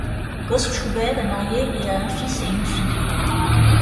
Götz Schubert est marié et a un fils et une fille.